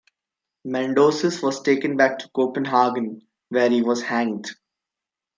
Mendoses was taken back to Copenhagen where he was hanged.